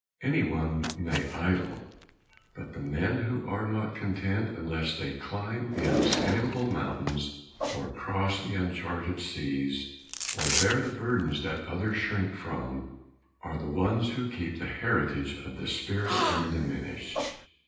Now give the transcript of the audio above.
Any one may idle; but the men who are not content unless they climb the unscalable mountains or cross the uncharted seas or bear the burdens that others shrink from, are the ones who keep the heritage of the spirit undiminished.